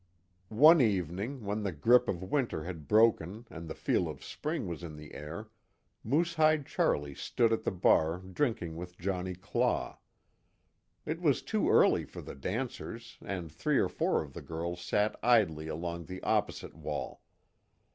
One evening when the grip of winter had broken and the feel of spring was in the air, Moosehide Charlie stood at the bar drinking with Johnnie Claw. It was too early for the dancers and three or four of the girls sat idly along the opposite wall.